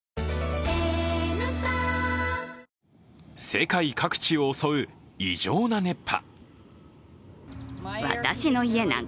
世界各地を襲う異常な熱波。